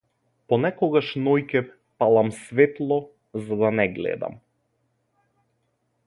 Понекогаш ноќе палам светло за да не гледам.